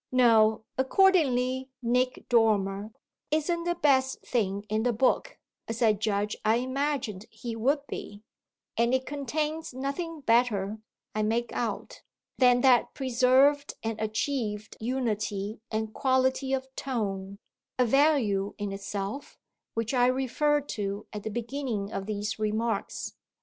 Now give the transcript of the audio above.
No, accordingly, Nick Dormer isn't "the best thing in the book," as I judge I imagined he would be, and it contains nothing better, I make out, than that preserved and achieved unity and quality of tone, a value in itself, which I referred to at the beginning of these remarks.